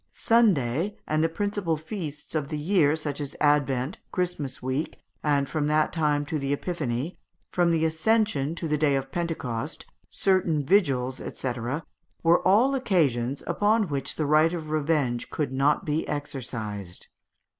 Sunday and the principal feasts of the year, such as Advent, Christmas week, and from that time to the Epiphany, from the Ascension to the Day of Pentecost, certain vigils, &c., were all occasions upon which the right of revenge could not be exercised.